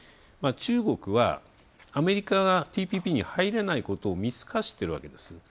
中国は、アメリカがＴＰＰに入れないことを見透かしてるわけです。